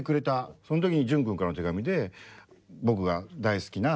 その時に潤君からの手紙で「僕が大好きなものです。